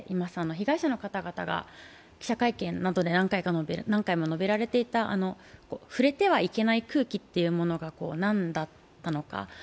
被害者の方々が記者会見などで何回も述べられていた、「触れてはいけない空気」というものが何だっのか。